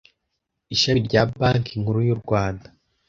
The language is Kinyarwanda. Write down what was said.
Ishami rya banki nkuru yu rwanda